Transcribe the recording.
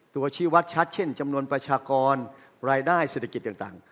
ชีวัตรชัดเช่นจำนวนประชากรรายได้เศรษฐกิจต่าง